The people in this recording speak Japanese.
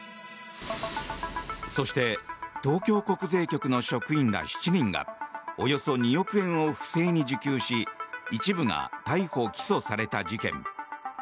そして東京国税局の職員ら７人がおよそ２億円を不正に受給し一部が逮捕・起訴された事件。